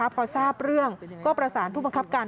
พอทราบเรื่องก็ประสานผู้บังคับการ